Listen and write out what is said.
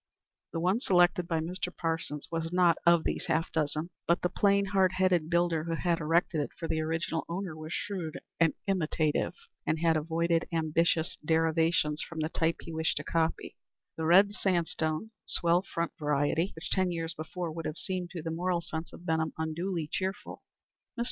The one selected by Mr. Parsons was not of these half dozen; but the plain, hard headed builder who had erected it for the original owner was shrewd and imitative, and had avoided ambitious deviations from the type he wished to copy the red sandstone, swell front variety, which ten years before would have seemed to the moral sense of Benham unduly cheerful. Mr.